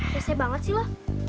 biasa banget sih lu